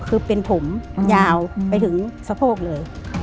คือเป็นผมมันยาวไปถึงสะโพกเลย